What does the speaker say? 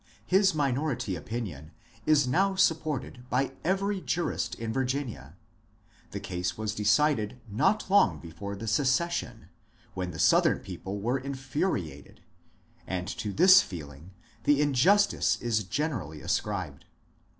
His minority opinion is now supported by every jurist in Virginia. The case was decided not long before the Secession, when the Southern people were infuriated, and to this feeling the injustice is generally ascribed.